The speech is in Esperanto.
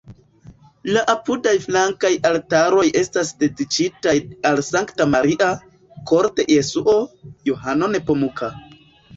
La apudaj flankaj altaroj estas dediĉitaj al Sankta Maria, Koro de Jesuo, Johano Nepomuka.